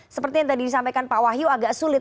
seperti yang tadi disampaikan pak wahyu agak sulit